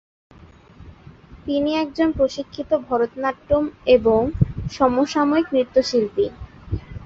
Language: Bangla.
তিনি একজন প্রশিক্ষিত ভরতনাট্যম এবং সমসাময়িক নৃত্যশিল্পী।